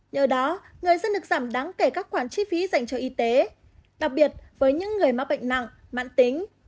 nhờ đó người dân được giảm đáng kể các khoản chi phí dành cho y tế đặc biệt với những người mắc bệnh nặng mãn tính